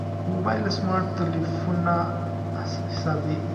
موبایل له سمارټ تلېفونه حسابېږي.